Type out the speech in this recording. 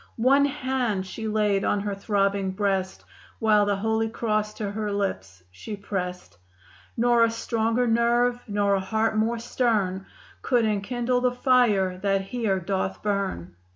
One hand she laid on her throbbing breast, While the Holy Cross to her lips she pressed. "Nor a stronger nerve; nor a heart more stern Could enkindle the fire that here doth burn.